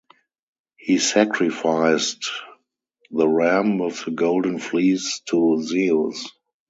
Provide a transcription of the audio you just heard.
He sacrificed the ram with the golden fleece to Zeus.